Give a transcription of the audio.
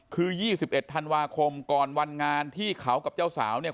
คือ๒๑ธันวาคมก่อนวันงานที่เขากับเจ้าสาวเนี่ย